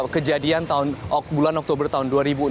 kejadian bulan oktober tahun dua ribu enam belas